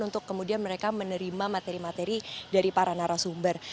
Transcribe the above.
untuk kemudian mereka menerima materi materi dari para narasumber